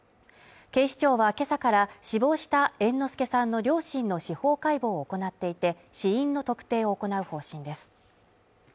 警視庁は今朝から死亡した猿之助さんの両親の司法解剖を行っていて、死因の特定を行う方針です。